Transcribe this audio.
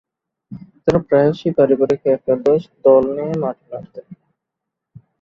তারা প্রায়শঃই পারিবারিক একাদশ দল নিয়ে মাঠে নামতেন।